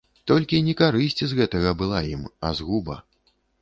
Толькі не карысць з гэтага была ім, а згуба.